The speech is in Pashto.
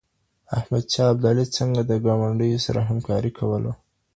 احمد شاه ابدالي څنګه د ګاونډیو سره همکاري کوله؟